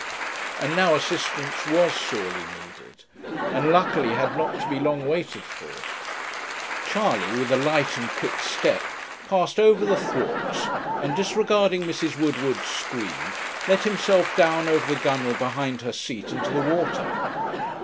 And now assistance was sorely needed, and luckily had not to be long waited for. Charley, with a light and quick step, passed over the thwarts, and, disregarding Mrs. Woodward's scream, let himself down, over the gun wale behind her seat into the water.